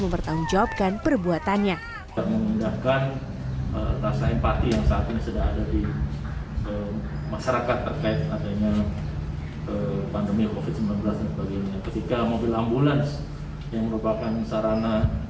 seperti yang kita lakukan